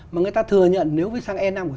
mà người ta thừa nhận nếu sang e năm của